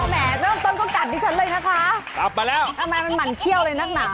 แหมเรื่องต้นก็กัดดิเชิญเลยนะคะกลับมาแล้วอามันมันเฮี่ยวเลยหรือนักหนา